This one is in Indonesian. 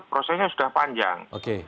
prosesnya sudah panjang